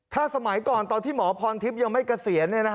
ถ้าสมัยก่อนตอนที่หมอพรทิพย์ยังไม่เกษียณ